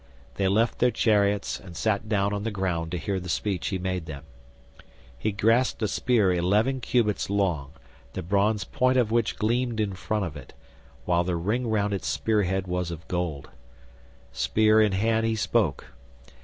They left their chariots and sat down on the ground to hear the speech he made them. He grasped a spear eleven cubits long, the bronze point of which gleamed in front of it, while the ring round the spear head was of gold. Spear in hand he spoke.